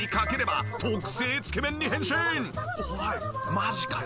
マジかよ。